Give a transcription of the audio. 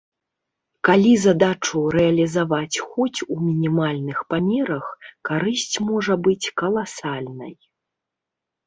Калі задачу рэалізаваць хоць у мінімальных памерах, карысць можа быць каласальнай.